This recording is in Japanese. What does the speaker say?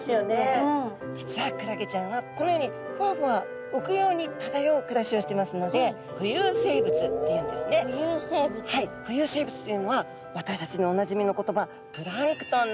実はクラゲちゃんはこのようにふわふわ浮くように漂う暮らしをしてますので浮遊生物というのは私たちにおなじみの言葉プランクトンなんですね。